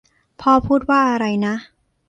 พ่อพูดว่าอะไรนะ